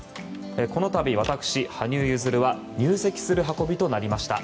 このたび、私、羽生結弦は入籍する運びとなりました。